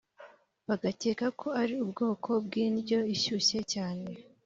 bagakeka ko ari ubwoko bw'indyo ishyushye cyane.